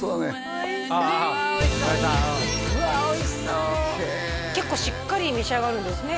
へえ結構しっかり召し上がるんですね